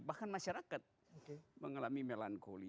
bahkan masyarakat mengalami melankoli